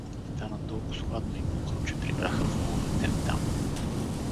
Стана толкоз хладно и мокро, че прибраха воловете в дама.